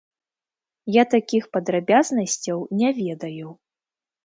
Я такіх падрабязнасцяў не ведаю.